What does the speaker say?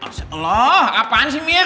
astagfirullah apaan sih mir